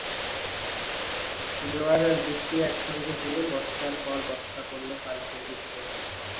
জোয়ার আর বৃষ্টি একসঙ্গে হলে বস্তার পর বস্তা পণ্য পানিতে ভিজবে।